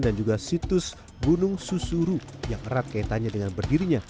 dan juga situs gunung susuru yang erat kayak tanya dengan berdirinya